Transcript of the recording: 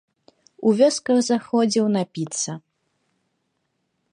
У вёсках заходзіў напіцца.